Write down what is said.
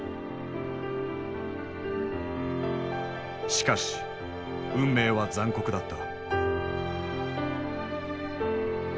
しかし運命は残酷だった。